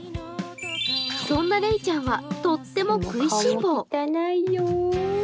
そんなれいちゃんは、とっても食いしん坊。